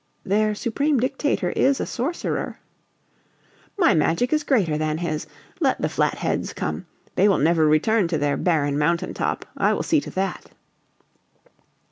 "Their Supreme Dictator is a Sorcerer." "My magic is greater than his. Let the Flatheads come! They will never return to their barren mountain top. I will see to that."